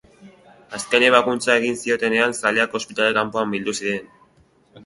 Azken ebakuntza egin ziotenean, zaleak ospitale kanpoan bildu ziren.